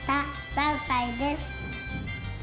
３さいです。